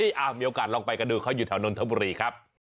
นี่มีโอกาสลองไปกันดูเขาอยู่แถวนนทบุรีครับ